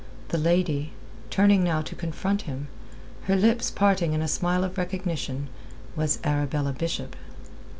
The lady, turning now to confront him, her lips parting in a smile of recognition, was Arabella Bishop.